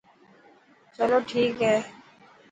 چلو ٺيڪ هي.